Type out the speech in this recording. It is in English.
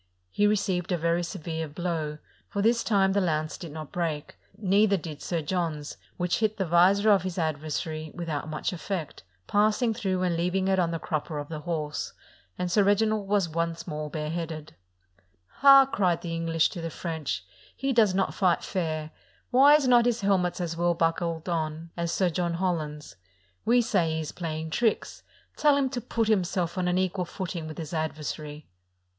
He received a very severe blow, for this time the lance did not break ; neither did Sir John's, which hit the visor of his adversary without much effect, passing through and leaving it on the crup per of the horse, and Sir Reginald was once more bare headed. " Ha," cried the English to the French, *' he does S8o A JOUST AT THE COURT OF PORTUGAL not fight fair; why is not his helmet as well buckled on as Sir John Holland's? We say he is playing tricks: tell him to put himself on an equal footing with his adversary."